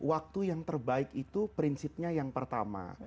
waktu yang terbaik itu prinsipnya yang pertama